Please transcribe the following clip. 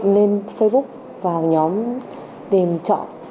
nên facebook và nhóm tìm trọ